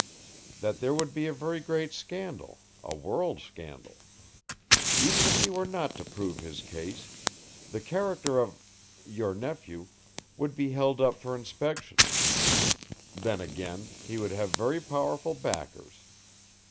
That there would be a very great scandal a world scandal. Even if he were not to prove his case, the character of your nephew would be held up for inspection. Then again, he would have very powerful backers.